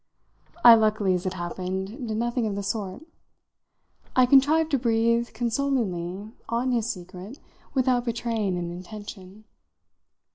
I luckily, as it happened, did nothing of the sort; I contrived to breathe consolingly on his secret without betraying an intention.